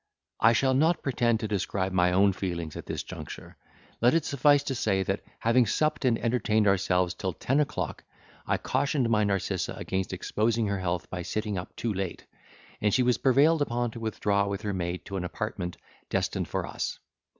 I shall not pretend to describe my own feelings at this juncture; let it suffice to say that having supped and entertained ourselves till ten o'clock, I cautioned my Narcissa against exposing her health by sitting up too late, and she was prevailed upon to withdraw with her maid to an apartment destined for us.